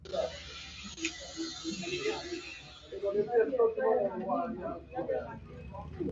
Ulemavu angaa mguu mmoja